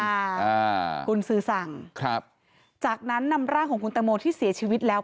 อ่ากุญสือสั่งครับจากนั้นนำร่างของคุณตังโมที่เสียชีวิตแล้ว